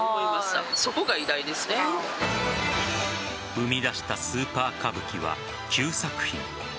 生み出したスーパー歌舞伎は９作品。